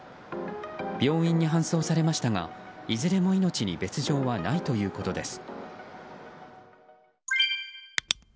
病院に搬送されましたがいずれも命に別条はないということです。